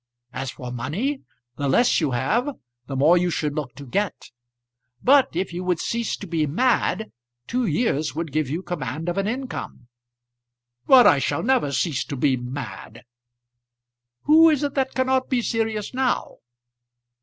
As for money, the less you have the more you should look to get. But if you would cease to be mad, two years would give you command of an income." "But I shall never cease to be mad." "Who is it that cannot be serious, now?"